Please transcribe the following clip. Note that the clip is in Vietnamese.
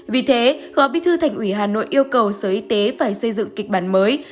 vì thế phó bí thư thành ủy hà nội yêu cầu sở y tế phải xây dựng kịch bản mới